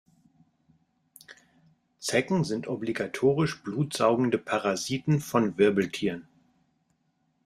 Zecken sind obligatorisch blutsaugende Parasiten von Wirbeltieren.